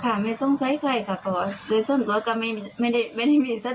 เพราะว่าในส่วนตรวจก็ไม่ได้มีสัตว์รู้สิทธิ์ไหน